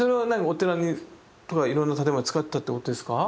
お寺とかいろんな建物に使ってたってことですか？